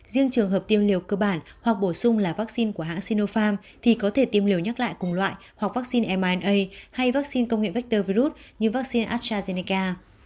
riêng trường hợp tiêm liều cơ bản hoặc bổ sung là vaccine của hãng sinopharm thì có thể tiêm liều nhắc lại cùng loại hoặc vaccine mrna hay vaccine công nghệ vector virus như vaccine astrazeneca